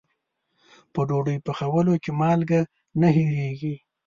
په ډوډۍ پخولو کې مالګه نه هېریږي.